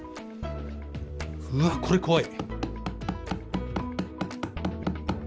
うわっこれ怖い。